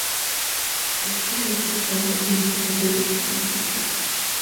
El jefe del estado forma su Administración y designa su dirigente.